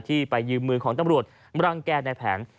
ไปยืมมือของตำรวจรังแก่ในแผน